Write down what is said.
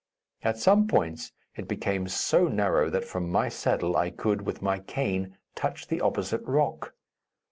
At some points it became so narrow that from my saddle I could, with my cane, touch the opposite rock.